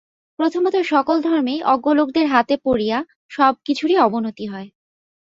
প্রথমত সকল ধর্মেই অজ্ঞলোকদের হাতে পড়িয়া সব কিছুরই অবনতি হয়।